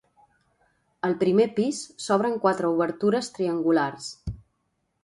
Al primer pis s'obren quatre obertures triangulars.